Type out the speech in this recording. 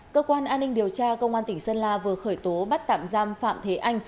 cơ quan an ninh điều tra công an tỉnh sơn la vừa khởi tố bắt tạm giam phạm thế anh